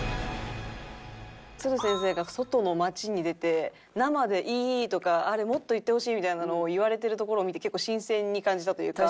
つる先生が外の街に出て生で「いい！」とか「あれもっと言ってほしい」みたいなのを言われてるところを見て結構新鮮に感じたというか。